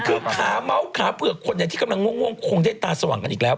คือขาเมาส์ขาเผือกคนไหนที่กำลังง่วงคงได้ตาสว่างกันอีกแล้ว